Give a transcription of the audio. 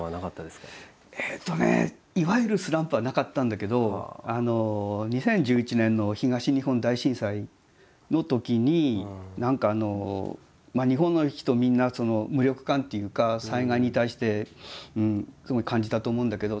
えっとねいわゆるスランプはなかったんだけど２０１１年の東日本大震災のときに何か日本の人みんな無力感っていうか災害に対してすごい感じたと思うんだけど。